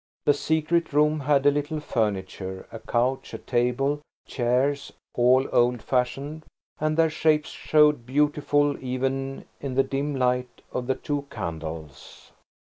The secret room had a little furniture–a couch, a table, chairs–all old fashioned, and their shapes showed beautiful, even in the dim light of the two candles.